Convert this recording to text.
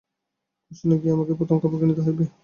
বষ্টনে গিয়া আমাকে প্রথমে কাপড় কিনিতে হইবে।